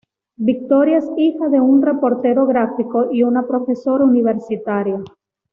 Victoria es hija de un reportero gráfico y una profesora universitaria.